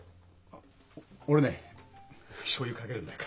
あっ俺ねしょうゆかけるんだよ